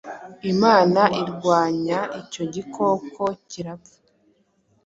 Imana irwanya icyo gikokokirapfa